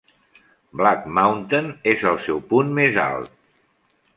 Black Mountain és el seu punt més alt.